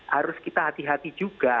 harus kita hati hati juga